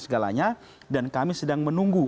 segalanya dan kami sedang menunggu